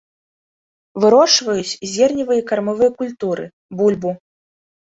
Вырошчваюць зерневыя і кармавыя культуры, бульбу.